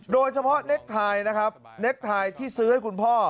โดยเฉพาะเน็กไทยนะครับเน็กไทยที่ซื้อให้คุณพ่อ